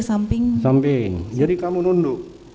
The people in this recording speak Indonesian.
jangan dimandikan dada dan mem ratsed kaki